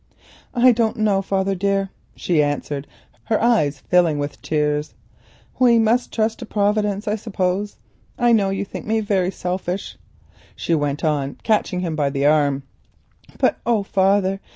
"I don't know, father, dear," she answered, her eyes filling with tears; "we must trust to Providence, I suppose. I know you think me very selfish," she went on, catching him by the arm, "but, oh, father!